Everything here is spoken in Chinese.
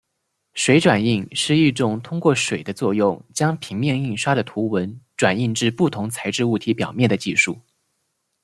水转印是一种通过水的作用将平面印刷的图文转印至不同材质物体表面的技术。